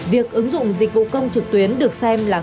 việc ứng dụng dịch vụ công trực tuyến được xem là